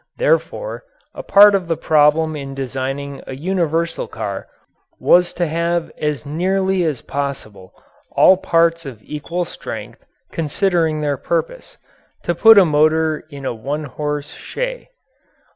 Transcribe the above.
Therefore, a part of the problem in designing a universal car was to have as nearly as possible all parts of equal strength considering their purpose to put a motor in a one horse shay.